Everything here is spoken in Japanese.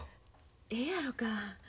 ええやろか？